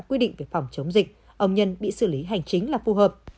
quy định về phòng chống dịch ông nhân bị xử lý hành chính là phù hợp